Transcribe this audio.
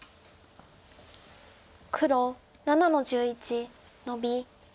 黒７の十一ノビ。